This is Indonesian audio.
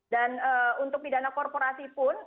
dan untuk pidana korporasi pun